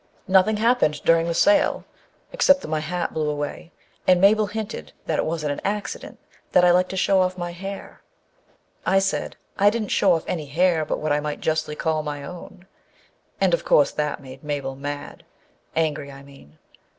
Nothing happened during the sail except that my hat blew away and Mabel hinted that it wasn't an accident â that I liked to show off my hair. I said I didn't show off any hair but what I might justly call my own, and, of course, that made Mabel mad â angry, I mean.